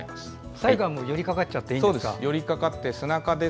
最後は寄りかかっていいんですか。